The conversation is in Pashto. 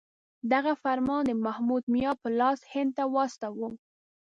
دغه فرمان د محمود میا په لاس هند ته واستاوه.